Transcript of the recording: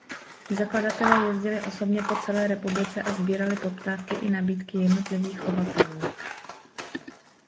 Zakladatelé jezdili osobně po celé republice a sbírali poptávky i nabídky jednotlivých chovatelů.